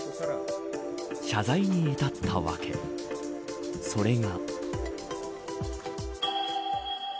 謝罪に至った訳それが。